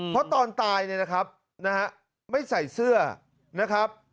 เพราะตอนตายเนี่ยนะครับนะฮะไม่ใส่เสื้อนะครับ